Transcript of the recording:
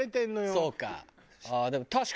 そうか。